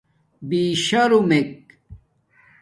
بِشرمک